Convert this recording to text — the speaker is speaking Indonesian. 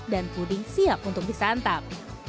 dan puding siap untuk disantap